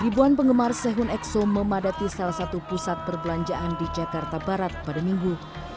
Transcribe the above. ribuan penggemar sehun exo memadati salah satu pusat perbelanjaan di jakarta barat pada minggu